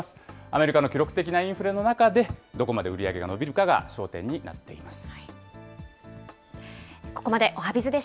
アメリカの記録的なインフレの中で、どこまで売り上げが伸びるかが焦点になっています。